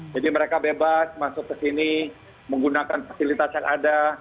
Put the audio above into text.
jadi mereka bebas masuk ke sini menggunakan fasilitas yang ada